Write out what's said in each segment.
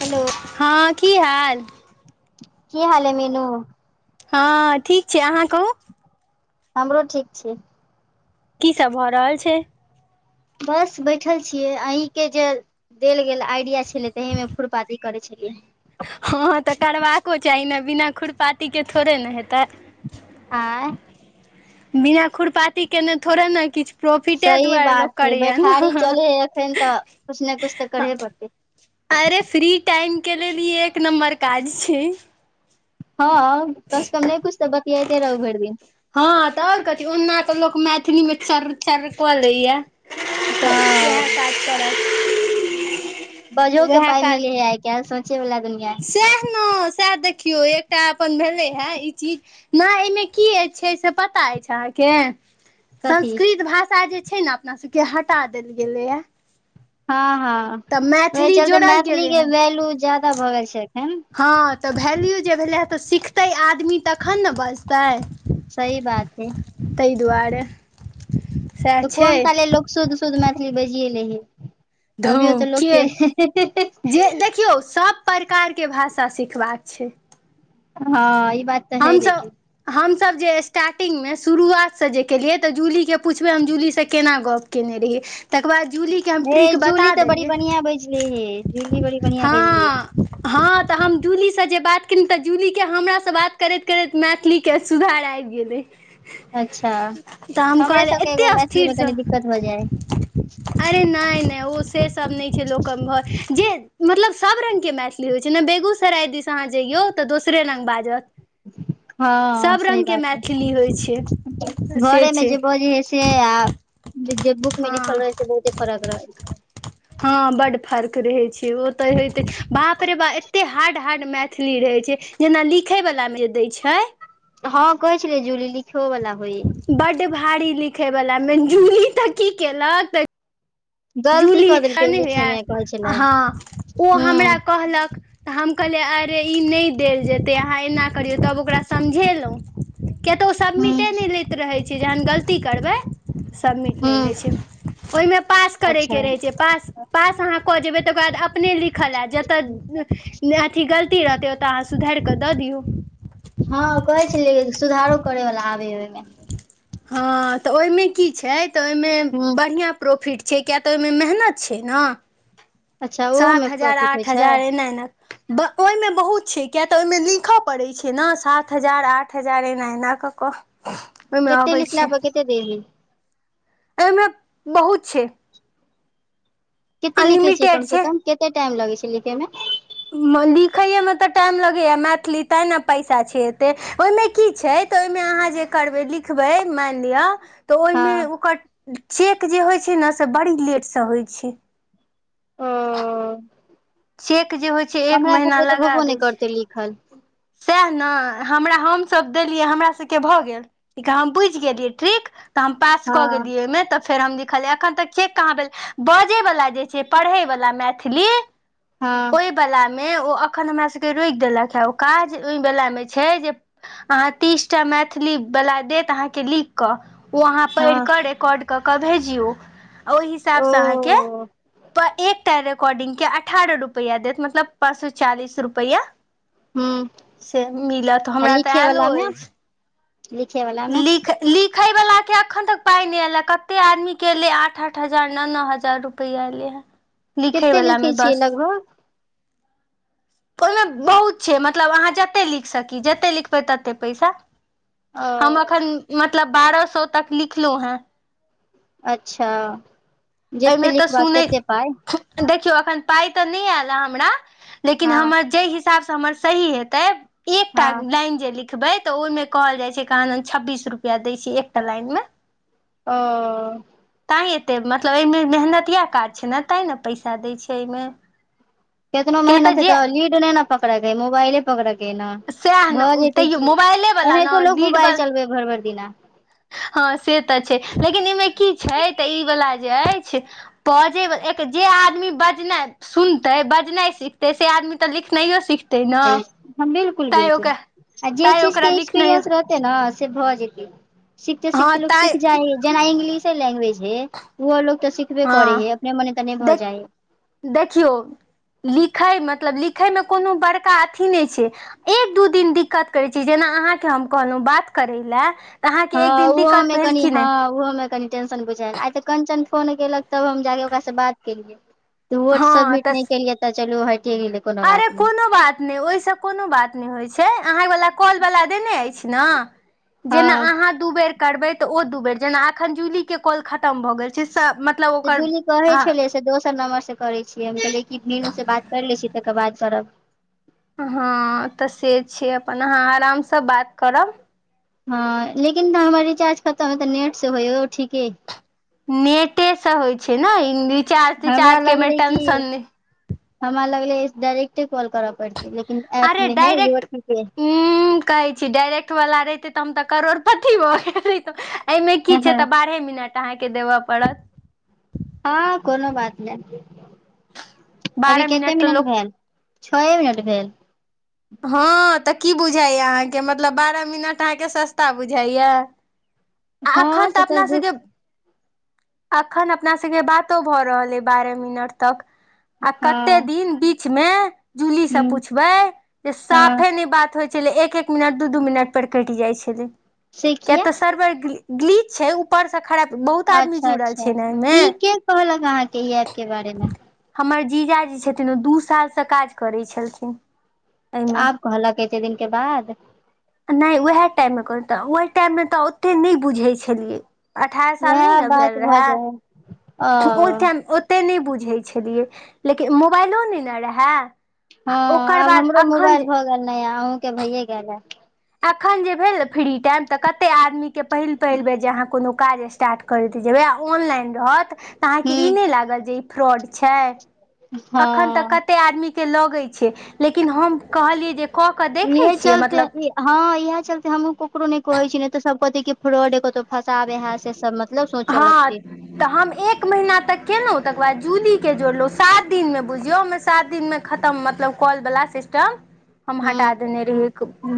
Hello हँ की हाल की हाल अइ मीनू हँ ठीक छिये अहाँ कहूँ हमरो ठीक छै की सब भऽ रहल छैय बस बैठल छियै आही केँ जे देल गेल आइडिया छलै तऽ एहिमे खुरपाती करै छलियै हँ हँ तऽ करबाको चाही नेऽ बिना खुरपातीके थोड़े नऽ हेतै आँय बिना खुरपाती केने थोड़े नऽ किछ प्रोफिटे सही दुआरा लोक बात हइ करै य नऽ बैठारी हँ चले हइ एखन तऽ कुछ ने कुछ तऽ हँ करहे पड़तै अरे फ्री टाइम केँ लेल ई एक नम्बर काज छैय हँ कम सँ कम नय कुछ तऽ बतियाइते रहू भैर दिन हँ तऽ आओर कथी ओना तऽ लोक मैथिलीमे चर चर कऽ लै य हँ करत बजहो केँ उएह पाइ मिलै है आय काइल सोचै वला दुनिया सैह नऽ सैह देखियौ एकटा अपन भेलै हे ई चीज नय एहिमे किया छैय से पता अछि अहाँकेँ कथी संस्कृत भाषा जे छैय नऽ अपना सभ केँ हटा देल गेलैय हँ हँ ओय चलते गेलै मैथिलीकेँ हन वैल्यू जाादा भऽ गेल छैय अखैन हँ तऽ वैल्यू जे भेलै हे तऽ सिखतै आदमी तखन नऽ बजतै सही बात हइ तैय दुआरे सएह तऽ छै कोन ताले लोक शुद्ध - शुद्ध मैथिली बजीए लै हैय धो केँ जे देखियौ सब प्रकार केँ भाषा सिखबाक छैय हँ ई बात तऽ है हमसभ लेकिन हमसभ जे स्टार्टिंगमे शुरुआतसँ जे केलियै तऽ जूलीके पुछबै हम जूलीसँ केना गप केना केने रहिय तकर बाद जूलीके हम ट्रिक हे जूली बता तऽ बड़ी देलियै बढ़िया बजले हे जूली बड़ी बढ़िया बजले हाँ हाँ तऽ हम जूली से जे बात केलहु तऽ जूली के हमर से बात करैत करैत मैथिलीके सुधार आबि गेलै अच्छा तऽ हम हमरे कहलिए सबके एगो एतेक मैथिली मे कनी स्थिरसँ दिक्कत भऽ जाइ अरे नहि नहि ओ से सब नहि छैय लोक घर जे मतलब सभ रङंगगके मैथिली होइ छैय जेना बेगूसराय दिस अहाँ जइयौ तऽ दोसरे रङ्ग बाजत हाँ सभ सही रङ्गके बात मैथिली होइ छै है से घरे मे छै जे बोजै है से आ जे बुकमे हँ लिखल रह से बहुते फरक रहै छै हँ बड फर्क रहै छैय ओ तऽ होेे बापरेबाप एते हार्ड बड हार्ड मैथिली रहै छैय जेना लिखै वला मे जे दै छैय हाँ कहै छलय जुली लिखयओ बला बड भारी लिखे वला मे जुली तऽ की केलक त गलती जूली कऽ देलकै ओ नहि लिखे मे कहै हो छलै हँ ओ हूं हमरा कहलक तऽ हम कहलियै अरे ई नहि देल जेतै अहाँ एना करियौ तब ओकरा समझेलहुँ किय तऽ ओ हूं सबमिटे नहि लैत रहैत छै जहन गलती करबै समिट नहि हूं लै छै ओहिमे पास अच्छा करयके रहै छै पास पास अहाँ कऽ जेबै तकर बाद अपने लिखल आयत जतऽ अथी गलती रहतै ओ तऽ आहाँ सुधारड़ कऽ दऽ दियऔ हाँ कहै छलिय सुधारो करै वला आबे ह ओहिमे हँ तऽ ओहिमे की छैय तऽ ओहिमे हूं बढ़िआँ प्रॉफिट छैय किएक तऽ ओहिमे मेहनत छैय नहि अच्छा ओहोमे सात हजार प्रॉफिट होइ आठ छै हजार एना एना ओहिमे बहुत छै किय तऽ ओहिमे लिखय पड़ैत छै नऽ सात हजार आठ हजार एना एना कऽ कऽ [unintelligible] केतेक लिखला छै पर केते दे हेय एहिमे बहुत छै कते लिखे छियै अनलिमिटेड कम से छै कम कते टाइम लगै छै लिखे मे लिखैएमे तऽ टाइम लगैएा मैथिली तैँ ने पैसा छै एतै ओहिमे की छै तऽ ओहिमे अहाँ जे करबै लिखबै मानि लिअ तऽ हँ ओहिमे ओकर चेक जे होइ छै नऽ से बड़ी लेटसँ होइ छै ओ चेक जे होइ छै एक हमरा महीना सबके तऽ लगा होबो दै नहि छै करतै लिखल सएह ने हमरा हमसभ देलियै हमर सभके भऽ गेल कि हम बुझ गेलियै ट्रिक तऽ हम पास हँ क गेलिय ओहिमे तऽ फेर हम ल एखन तक चेक कहाँ भेल बजै वला जे छै पढ़ै वलाा मैथिली हँ ओहि वलामे ओ एखन हमरा सभके रुोकि देलक हे ओ काज ओहि वलामे छै जे अहाँ तीस टा मैथिली वला देत अहाँके लिख कऽ ओ अहाँ हँ पढ़ि कऽ रिकॉड कऽ क भेजयो ओय हिसाब ओ सऽ आहाँके प ऐकटा रिकॉर्डिंग के अठारह रुपैआ देत मतलब पाँच सो चालीस रुपआ हूँ से मिलत हमरा तऽ एयलो अछि लिखेवला लिखे लिखे वाला के अखन तक पाय नै एले कते आदमी के एले आठ आठ हजार नओ नओ हजार रुपआ एले लिखे कते वला में लिखै छियै बस लगभग ओय में बहुत छै मतलब अहाँ जतेक लिख सकी जतेक लिखबै ततेक पैसा हम ओ एखन मतलब बारह सए तक लिखलो हेँ अच्छा जते एहिमे तऽ लिखबाक सुनै तते पाइ देखियौ अखन पाइ तऽ नय आयल ह हमरा लेकिन हँ हमर जेय हिसाब हिसाब से हमर सही हेते एकटा हँ लाइन जे लिखबे तऽ ओयमें कहल जाइ छै क छब्बीस रुपआ दै छ एकटा लाइन मे ओ तैँ एतेक मतलब ऐयमें मेहनति इएह काज छै ने तैँ ने पैसा दै छै एहिमे कतनो किया तऽ मेहनते जे तो लीड नै नय पकड़े के हय मोबाइले पकड़के ने सएह ने भऽ जेते तैयो की मोबाइले वाला ने एनाहितो लोग लीड मोबाइल चलबे भेर भेर दिना हँ से तऽ छै लेकिन एयमे की छै तऽ ई वला जे ऐछ बजैब एक जे आदमी बजनाइ सुनते बजनाइ सिखते से आदमी तऽ लिखनाइयो सिखतै ने बिलकुल तैं बिलकुल ओकरा आ जे तैं चीज के ओकरा लिखनाइ एक्सपीरियंस रह ते न से भऽ जेतै सीखते हँ सीखते लोक तैं सीख जाइ ह जेना इंग्लिशे लैंग्वेज हय ओहो लोक तऽ सिखबे करै हँ हय अपने मने तऽ नय भऽ देख जाइ हय देखियौ लिखै मतलब लिखयमे कोनो बड़का अथी नय छै एक दू दिन दिक्कत करैत छी जेना अहाँके हम कहलो बात करै लए तऽ हँ अहाँके एक दिन ओहो दिक्कत में भेल कनि कि हँ नहि ओहो में कनि टेंशन बुझाय आइ तऽ कंचन फोन केलक तब हम जाके ओकास से बात केलियै त वोट हँ सबमिट नय तऽ केलियै तऽ चलू हटि गेले अरे कोनो बात नय ओहि से कोनो बात नय होइ छै अह वाल कॉल वाला देने ऐछ ना जेना हँ आहाँ बेर करबै तऽ ओ दू बेर जेना अखन जूली के कॉल खतम भऽ गेल छै मतलब से ओकर जूली कहै ह छलै से दोसर नम्बर से करै छियै हम कहलिए कि मिनू से बात कर लै छीयै तकर बाद करब हँ तऽ से छै अपन अहाँ आराम सँ बात करब हँ लेकिन तऽ हमर रिचार्ज खतम हइ तऽ नेट से होइौ ठीके हइ नेटे से होइ छै ने रिचार्ज हमरा तिचार्ज केमे लगलै कि टेंशन नय हमरा लगले डायरेक्टे कॉल करै पड़ते लेकिन एप मे है य उम्म कहै छी डायरेक्ट वाला रहिते त हम तऽ करोड़पति भऽ गेल रहितो एयमे की छै तऽ बारहे मिनट अहाँके देबऽ पड़त हँ कोनो बात नय अभी बारह कते तऽ मिनट लोक भेल छौए मिनट भेल हँ तऽ की बुझाइया अहाँके मतलब बारह मिनट अहाँके सस्ता बुझाइया आ हँ एखन तऽ से अपना दू सबके अखन अपना सबकेे बातो भऽ रहल अइ बारह मिनट तक आ कते हँ दिन बीच में जूली से ह पूछबै जे हँ साफे नय बात होइ छलै एक एक मिनट दू दू मिनट पर केट जाइ छलै किया तऽ सर्वर ग्लीच छै ऊ पर से खड़ बहुत आदमी अच्छा जुड़ल अच्छा छै ने ऐयमे ई के कहलक अहाँके ई ऐप के बारे मे हमर जीजा जी छथिन ओ दू सालसँ काज करै छलखिन एहिमे आब कहलक एते दिन के बाद नय उहे टाइम मे कहत ओह टाइम मे तऽ ओते नय बुझैत छलियै अठारह साल नय वएह ने बात भेल भऽ जाइ हइ रहए ओइ ओ टाइम ओते नय बुझै छेलियै लेकिन मोबाइलो नय न रहै हँ आब हमरो मोबाइल भऽ गेल नया अहूंके भैये गेल हे अखन जे भेल न फ्री टाइम तऽ कते आदमी के पहिल पहिल बेर जे अहाँ कोनो काज स्ट टार्ट करैत जेबै आ ऑनलाइन रहत तऽ अहाँके ई हूँ नय लागल जे ई फ्रॉड छै अखन तऽ हँ कते आदमी के लगै छै लेकिन हम कहलियै जे कऽ कऽ देखै इहे छियै चलते मतलब हँ इहे चलते हमहूँ ककरो नय कहै छी नय तऽ सब कहते की फ्रॉड हय कतौ फँसाबे हे से सब मतलब सोचऽ हँ लगते तऽ हम एक महीना तक केलौं तकर बाद जूली के जोड़लौं सात दिन मे बुझियौ हमर सात दिनमे खतम मतलब कॉल वला सिस्टम हम हूँ हटा देने रहियै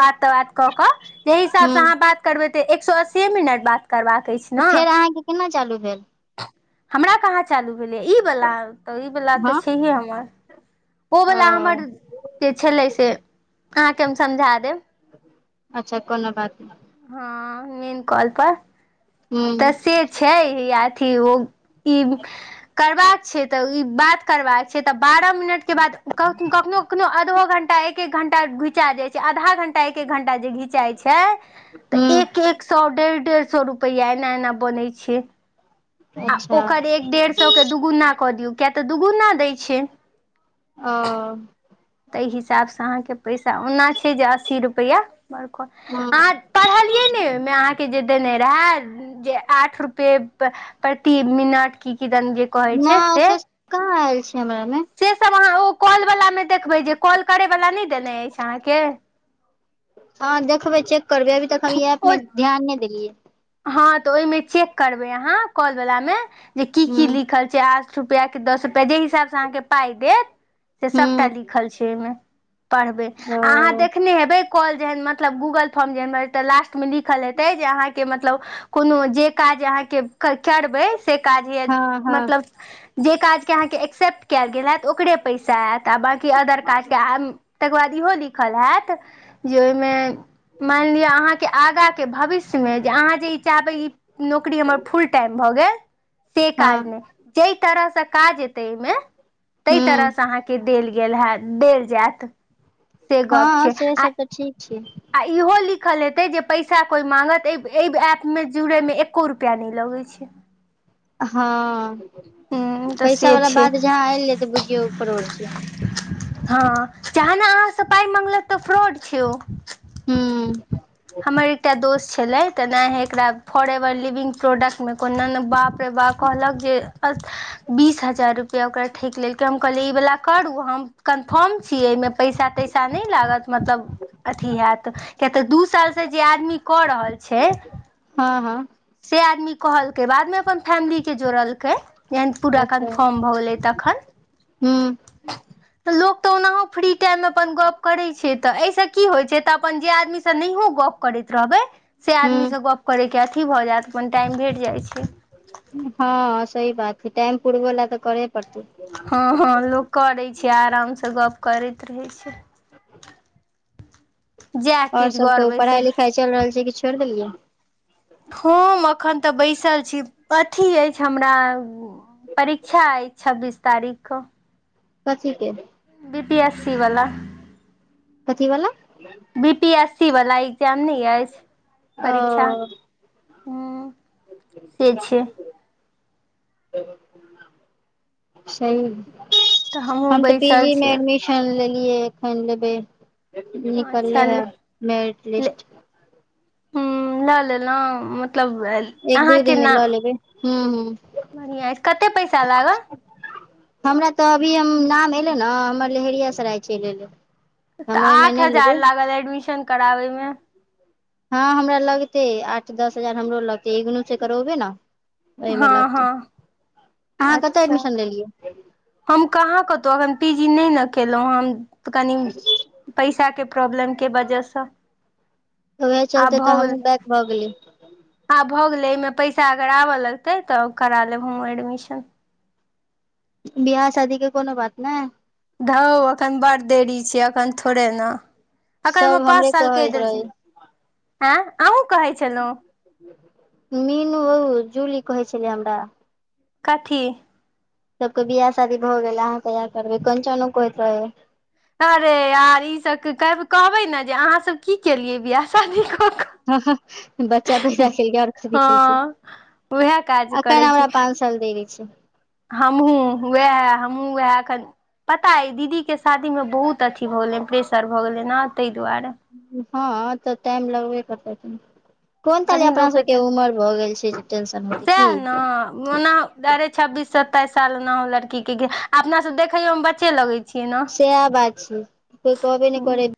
बात तऽ वात कऽ कऽ जेहि हिसाब स हूँ अहाँ बात करबै तऽ एक सौ अस्सीेये मिनट बात करबाक अछि तऽ ने फेर अहाँके केना चालू भेल हमरा कहाँ चालू भेलै ई वला तऽ ई वला तऽ हँ छैहे हमर ओ वला हमर जे छेलै से अहाँके हम समझा देब अच्छा कोनो बात नय हँ नीन कॉल पर तऽ हूँ से छै अथी ओ ई करबाक छै तऽ ई बात करबाक छै तऽ बारह मिनट के बाद कखनो कखनो आधो घंटा एक एक घण्टा घिचा जाइ छै आधा घण्टा एक एक घणटा जे घिचाइ छै तऽ हूँ एक एक एक सौ डेढ़ डेढ़ सौ रुपैया एना एना बनै छै आ अच्छा ओकर एक डेढ़ सौ के दुगुना कऽ दियौ किया तऽ दुगुना दै छै ओ तइ हिसाबसँ अहाँके पैसा ओना छै जे अस्सी रुपैया बड़हत हूँ अहाँ पढ़लियै नय ओहिमे अहाँके जे देने रहै जे आठ रुपए प्रति मिनट की किदन जे। कहै छै नय से सब कहाँ आयल छै हमरा मे। से सब अहाँ ओ कॉल वला मे देखबै जे कॉल करय वला नय देने अछि अहाँके। अहाँ देखबै चेक करबै अभी तक हम ई ऐप ओ मे ध्यान नय देलियै हँ तऽ ओहि मे चेक करबै अहाँ कॉल वाला मे जे की की हूँ लिखल आठ रूपया की दस रुपया कि जे हिसाब से अहाँके पाइ देत से सभटा हूँ लिखल छै ओहिमे पढ़बै ओ आ अहाँ देखने हेबै काॅल जेहन मतलव गुगल फोर्म जेहन लास्ट मे लिखल हेतै काज अहाँके करबै से काज ये हँ हँ मतलब जे काज के अहाँके एक्सेप्ट कयल गेल हेत ओकरे पैसा आयत आ बाँकी अदर काजके आ। तकर बाद इहो लिखल हैत जे ओहिमे। मानि लिअ अहाँके आगा के भविष्य। अहाँ जे ई चाहबै ई नौकरी हमर फुल टाइम भऽ गेल से काज हँ नै। जाहि तरह से काज एते एहिमे ताहि तरह हूँ से अहाँके। के देल गेल हैत देल जायत। से गप हँ छै से आ सब तऽ ठीक छै। आ इहो लिखल हेतै जे पैसा कोई मांगत एहि ऐप मे जुड़यमे एक्को रुपया नय लगै छै। हँ हूँ तऽ पैसा से वला छै बात जहाँ एलै तऽ बुझियौ फरोड छियै। हँ जहने अहाँसँ पाइ मगलक तऽ फ्रॉड छै ओ। हूँ। हमर एकटा दोस्त। छलै तेनाहे एकरा फॉर एवर लिविंग प्रोडक्टमे कोनाने बाप रे बाप कहलक जे। बीस हजार रुपैआ ओकरा ठकि लेलकै हम कहलियै ई वला करू हम कन्फर्म छीयै एहिमे। पैसा तैसा नहि लागत मतलब अथी हैत। किया तऽ दू साल सऽ जे आदमी कऽ रहल छै। हँ हँ। से आदमी कहलकै बादमे अपन फैमिली के जोड़लकै। पूरा अच्छा कन्फर्म भऽ गेलै तखन हूँ तऽ लोक तऽ ओनाहो फ्री। टाइम मे अपन गप करै छै तऽ एहि से की होइ तऽ अपन जे आदमी। से नहियो गप करैत रहबै से हूँ आदमीसँ गप करय के अथी भऽ जायत अपन टाइम भेट जाइ छै। हँ सही बात से टाइम पुड़बऽला तऽ करै। परतै। हँ हँ लोक करै छै आरामसँ गप करैत रहै छै। जएह और किछ सब घर कहु पढ़ाई बैसल। लिखाई चलि रहल छै कि छोड़ि देलियै। हम एखन तऽ बैसल छी अथी अछि हमरा। परीक्षा आइछ छब्बीस तारीख कऽ। कथीके। बी पी एस सी वला। कथीवला। बी पी एस सी वालला एग्जाम नै अछि ओ परीक्षा, हूँ। से छै सही। तऽ हमहूँ हम तऽ पी बैसल जी मे छियै एडमिशन लेलियै एखन लेबै। निकलले अच्छा। है मेरिट लिस्ट हूँ लऽ लेलउ मतलब। एक अहाँ दू के दिन मे नाम लऽ लेबै हूँ हूँ बढ़िया अछि कते पैसा लागल। हमरा तऽ अभी हम नाम एलै नऽ हमर। लेहेरिया सराय चलि एलै हम ओहिमे नहि लेबै। अगर एडमिशन। कराबै मे। हँ हमरा लगते आठ दस हजार हमरो लगतै एगनू से करेबे ने ओहिमे हँ लगतै। हँ अहाँ कतय अच्छा एडमिशन लेलियै। हम कहाँ कतहुॅं एखन पी जी नहि ने केलहुँ हम कनि पैसा के प्रॉब्लम के वजहसँ। ओएहे चलते तऽ हमहूँ बैक भऽ गेलीयै। आ भऽ गेलै एहिमे पैसा अगर आबऽ लगतै तऽ करा लेब हमहूँ एडमिशन। बियाह शादी के कोनो बात नहि। घउ एखन बड़ देरी छै एखन थोड़े नऽ एखन उमे सब पाँच हमरे साल कहि कहैत देलथिन रहै आँ अहूँ कहै छलहुँ। मीनू ओ जूली कहै छलिय हमरा कथी सबके बियाह शादी भऽ गेल अहाँ कहिया करबै कन्चनो कहैत रहैय अरे यार ईसभके कहबै ने जे अहाँसभ की केलियै वियाह शादी कऽ कऽ। हँ हँ बच्चा पैदा केलऐ आओर कथि केलऐ हँ उएह काज एखन करै छी हमरा पाँच- फल देबे छै। हमहूँ वैह हमहूँ वैह अखन पता अइ दीदी केँ शादी मे बहुत अथी भऽ गेलै प्रेसर भऽ गेलै नऽ तैय दुआरे हँ तऽ टाइम लगबे करतै कनी कोन ताले कनि अपना सबके उमर भऽ गेल छै जे टेंशन होतै की सैह नऽ ओना डायरेक्ट छब्बीस सत्ताइस साल ओनाहो लड़की केँ की अपना सब देखयो मऽ बच्चे लगै छियै ने सेहा बात छै कोय कहबे नय करै